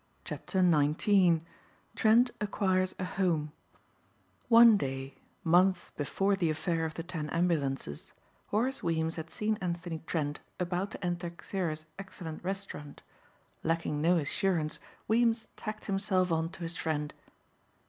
CHAPTER XIX TRENT ACQUIRES A HOME ONE day, months before the affair of the ten ambulances, Horace Weems had seen Anthony Trent about to enter Xeres' excellent restaurant. Lacking no assurance Weems tacked himself on to his friend.